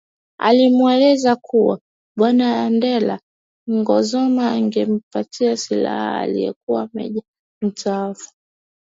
Alimweleza kuwa bwana Andrea Ngozoma angempatia silaha alikuwa meja mstaafu